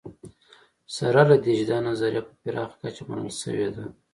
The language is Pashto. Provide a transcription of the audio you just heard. سره له دې چې دا نظریه په پراخه کچه منل شوې ده